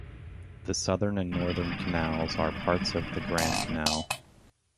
The southern and northern canals are parts of the Grand Canal.